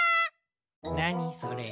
なにそれ。